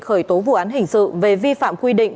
khởi tố vụ án hình sự về vi phạm quy định